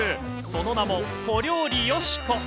その名も、小料理よしこ。